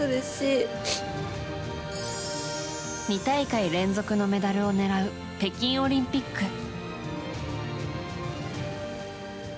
２大会連続のメダルを狙う北京オリンピック。